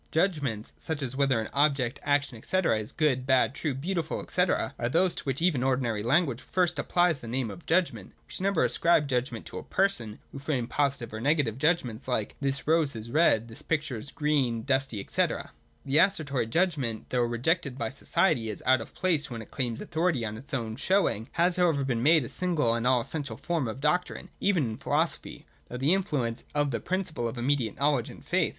Judgments, such as whether an object, action, &c. is good, bad, true, beautiful, &c., are those to which even ordinary language first applies the name of judgment. We should never ascribe judgment to a person who framed positive or negative judgments like, This rose is red. This picture is red, green, dusty, &c. The Assertory judgment, although rejected by society as out of place when it claims authority on its own show ing, has however been made the single and all essential form of doctrine, even in philosophy, through the in fluence of the principle of immediate knowledge and faith.